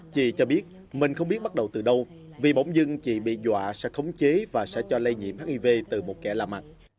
chị cho biết mình không biết bắt đầu từ đâu vì bọn dưng chị bị dọa sẽ khống chế và sẽ cho lây nhiễm hiv từ một kẻ lạ mặt